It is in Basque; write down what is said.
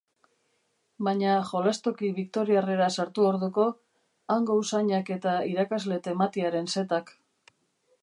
Baina jolastoki victoriarrera sartu orduko, hango usainak eta irakasle tematiaren setak.